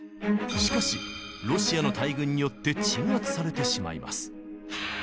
しかしロシアの大軍によって鎮圧されてしまいます。